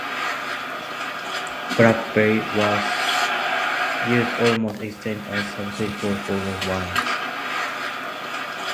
Blackberry wine was used almost exclusively as a substitute for foreign wines.